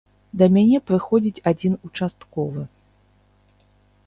Да мяне прыходзіць адзін участковы.